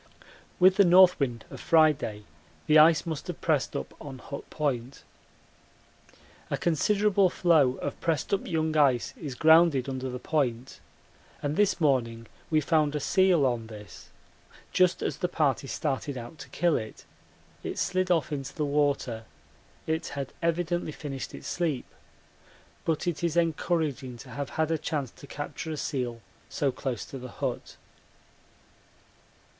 With the north wind of Friday the ice must have pressed up on Hut Point. A considerable floe of pressed up young ice is grounded under the point, and this morning we found a seal on this. Just as the party started out to kill it, it slid off into the water it had evidently finished its sleep but it is encouraging to have had a chance to capture a seal so close to the hut.